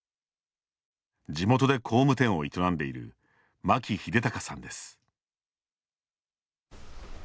地元で工務店を営んでいる槇秀高さんです。